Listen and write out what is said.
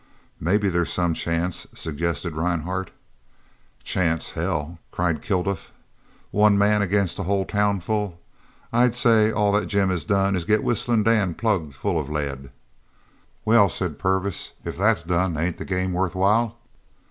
"Maybe there's some chance," suggested Rhinehart. "Chance, hell!" cried Kilduff. "One man agin a whole town full? I say all that Jim has done is to get Whistlin' Dan plugged full of lead." "Well," said Purvis, "if that's done, ain't the game worth while?"